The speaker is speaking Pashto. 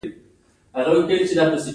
دا شیان د ټېغونو او بد بوی سبب ګرځي.